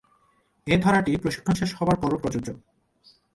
এ ধারাটি প্রশিক্ষণ শেষ হবার পরও প্রযোজ্য।